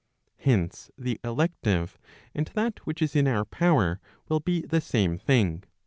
. Hence the elective and that which is in our power, will be the same thing.